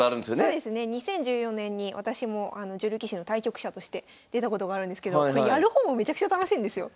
そうですね２０１４年に私も女流棋士の対局者として出たことがあるんですけどこれやる方もめちゃくちゃ楽しいんですよ。